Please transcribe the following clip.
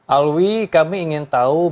alwi kami ingin tahu